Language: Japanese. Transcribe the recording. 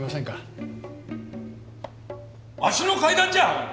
わしの階段じゃ！